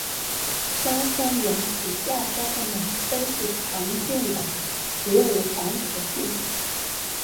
硝酸盐及亚硝酸盐都是常见的食物防腐剂。